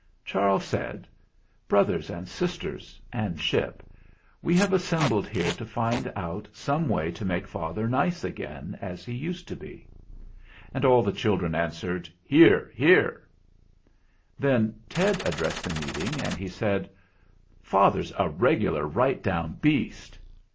Charles said: "Brothers and sisters and 86 THE FLINT HEART Ship, we have assembled here to find out some way to make father nice again as he used to be." And all the children answered, "Hear, hear !" Then Ted addressed the meeting, and he said : "Father's a regular right down beast."